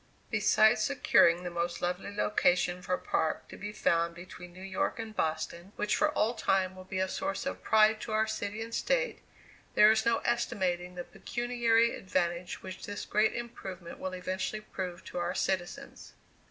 Besides securing the most lovely location for a park to be found between New York and Boston, which for all time will be a source of pride to our city and State, there is no estimating the pecuniary advantage which this great improvement will eventually prove to our citizens.